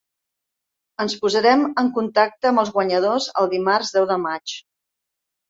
Ens posarem en contacte amb els guanyadors el dimarts deu de maig.